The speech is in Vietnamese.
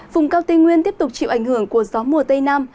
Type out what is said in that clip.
vùng cao tây nguyên tiếp tục chịu ảnh hưởng của gió mùa tây nam